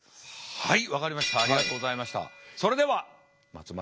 はい。